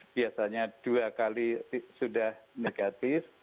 biasanya dua kali sudah negatif